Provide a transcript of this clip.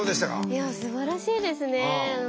いやすばらしいですね。